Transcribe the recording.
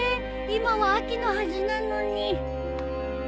今は秋のはずなのに。